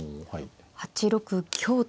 ８六香と。